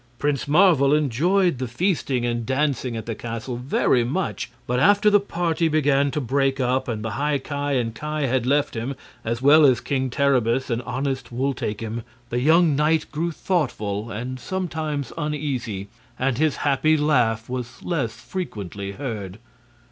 Prince Marvel enjoyed the feasting and dancing at the castle very much, but after the party began to break up, and the High Ki and the Ki had left him, as well as King Terribus and honest Wul Takim, the young knight grew thoughtful and sometimes uneasy, and his happy laugh was less frequently heard.